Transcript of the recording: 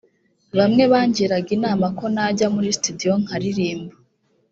bamwe bangiraga inama ko najya muri studio nkaririmba